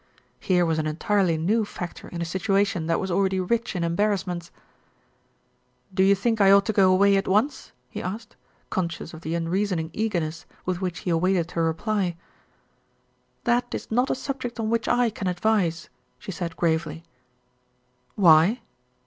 Here was an entirely new factor in a situation that was already rich in embarrassments. "Do you think I ought to go away at once?" he asked, conscious of the unreasoning eagerness with which he awaited her reply. "That is not a subject on which I can advise," she said gravely. "Why?"